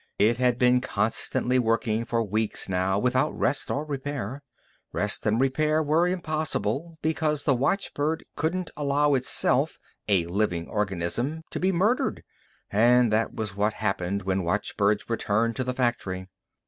It had been constantly working for weeks now, without rest or repair. Rest and repair were impossible, because the watchbird couldn't allow itself a living organism to be murdered. And that was what happened when watchbirds returned to the factory.